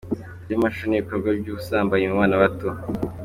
ry’amashusho n’ibikorwa by’ubusambanyi mu bana bato .